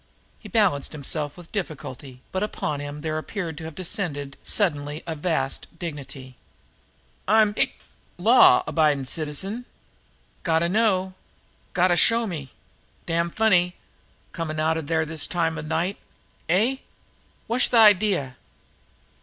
He balanced himself with difficulty, but upon him there appeared to have descended suddenly a vast dignity. "I'm hic law 'biding citizen. Gotta know. Gotta show me. Damn funny coming out of there this time of night! Eh what'sh the idea?"